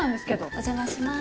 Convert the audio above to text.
お邪魔します。